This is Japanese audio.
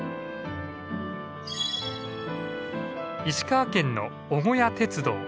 石川県の尾小屋鉄道。